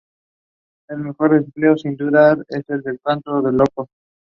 However the energy mix in the country is changing.